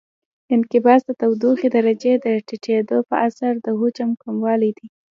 انقباض د تودوخې درجې د ټیټېدو په اثر د حجم کموالی دی.